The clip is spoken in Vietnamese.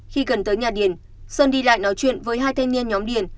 khi gần tới nhà điền sơn đi lại nói chuyện với hai thanh niên nhóm điền